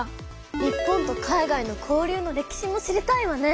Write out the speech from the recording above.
日本と海外の交流の歴史も知りたいわね。